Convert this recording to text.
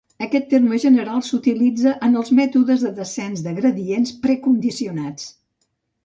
Aquesta terme general s'utilitza en els mètodes de descens de gradients precondicionats.